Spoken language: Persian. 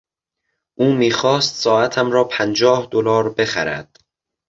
او میخواست ساعتم را پنجاه دلار بخرد.